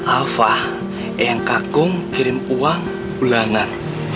alva engkak kum kirim uang bulanan